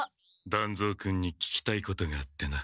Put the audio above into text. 団蔵君に聞きたいことがあってな。